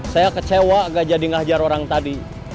saya kecewa gak jadi ngajar orang tadi